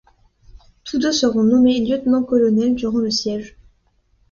Tous deux seront nommés lieutenants-colonels durant le siège.